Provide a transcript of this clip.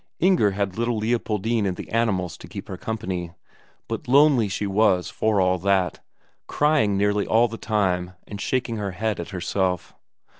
Inger had little Leopoldine and the animals to keep her company; but lonely she was for all that, crying nearly all the time and shaking her head at herself.